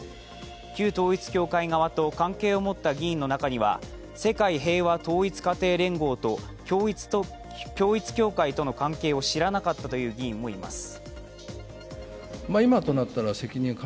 旧統一教会側と関係を持った議員の中には世界平和統一家庭連合と統一教会との関係を知らなかったという議員もいます。